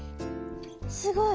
すごい！